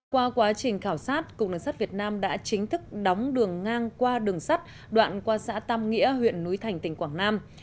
qua quá trình khảo sát cục đường sắt việt nam đã chính thức đóng đường ngang qua đường sắt đoạn qua xã tam nghĩa huyện núi thành tỉnh quảng nam